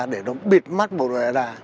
để nó biệt mắt bộ đoàn đà